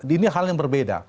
ini hal yang berbeda